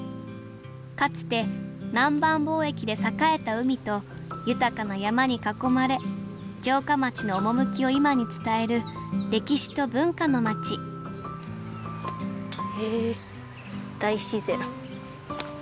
かつて南蛮貿易で栄えた海と豊かな山に囲まれ城下町の趣を今に伝える歴史と文化の町へえ大自然。